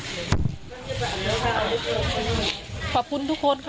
หลังจากผู้ชมไปฟังเสียงแม่น้องชมไป